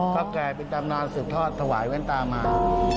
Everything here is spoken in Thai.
ก็แก่เป็นตำนานสืบทอดถวายแว่นตามา